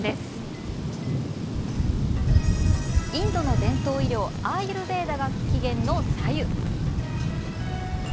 インドの伝統医療アーユルヴェーダが起源の白湯。